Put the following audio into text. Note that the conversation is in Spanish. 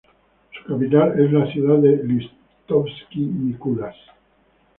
Su capital es la ciudad de Liptovský Mikuláš.